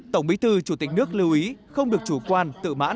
tổng bí thư chủ tịch nước lưu ý không được chủ quan tự mãn